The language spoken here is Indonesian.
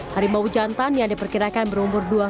harimau jantan yang diperkirakan berumur dua setengah